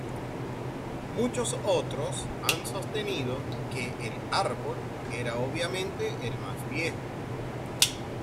Muchos otros han sostenido que el árbol era obviamente el más viejo.